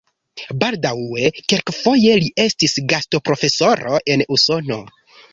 Baldaŭe kelkfoje li estis gastoprofesoro en Usono.